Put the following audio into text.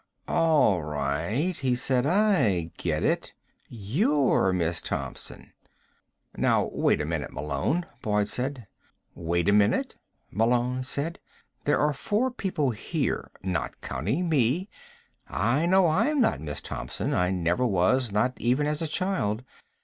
"All right," he said. "I get it. You're Miss Thompson." "Now, wait a minute, Malone," Boyd began. "Wait a minute?" Malone said. "There are four people here, not counting me. I know I'm not Miss Thompson. I never was, not even as a child.